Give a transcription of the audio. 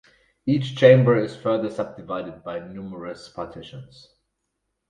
Each chamber is further subdivided by numerous partitions.